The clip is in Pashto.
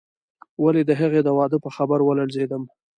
ولې د هغې د واده په خبر ولړزېدم.